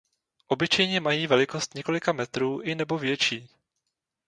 Obyčejně mají velikost několika metrů i nebo větší.